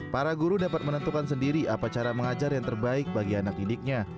para guru dapat menentukan sendiri apa cara mengajar yang terbaik bagi anak didiknya